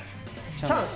チャンス。